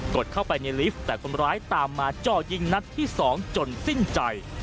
ดเข้าไปในลิฟต์แต่คนร้ายตามมาจ่อยิงนัดที่๒จนสิ้นใจ